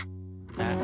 えっ？